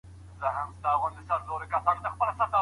ولي هڅاند سړی د مستحق سړي په پرتله لاره اسانه کوي؟